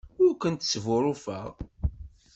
Ur kent-sbuṛṛufeɣ.